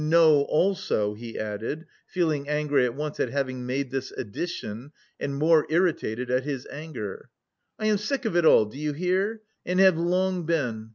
know also," he added, feeling angry at once at having made this addition and more irritated at his anger. "I am sick of it all, do you hear? and have long been.